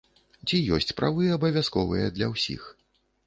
Ці ёсць правы абавязковыя для ўсіх?